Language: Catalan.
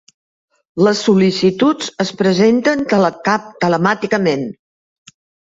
Les sol·licituds es presenten telemàticament.